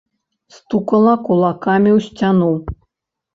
Стукала кулакамі ў сцяну.